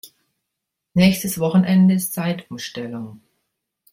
Nächstes Wochenende ist Zeitumstellung.